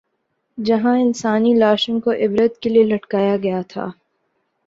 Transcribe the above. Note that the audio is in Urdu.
جہاں انسانی لاشوں کو عبرت کے لیے لٹکایا گیا تھا۔